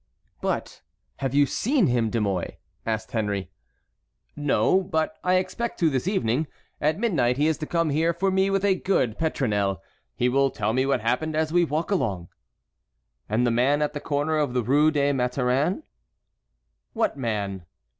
"But have you seen him, De Mouy?" asked Henry. "No, but I expect to this evening. At midnight he is to come here for me with a good petronel. He will tell me what happened as we walk along." "And the man at the corner of the Rue des Mathurins?" "What man?"